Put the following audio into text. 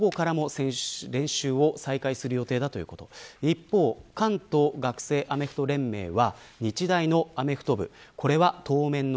一方関東学生アメフト連盟です。